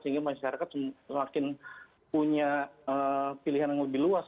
sehingga masyarakat semakin punya pilihan yang lebih luas